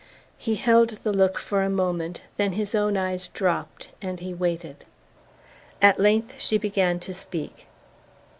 He held the look for a moment; then his own eyes dropped and he waited. At length she began to speak.